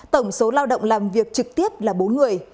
tổng số lao động làm việc trực tiếp là bốn người